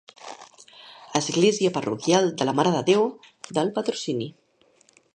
Església parroquial de la Mare de Déu del Patrocini.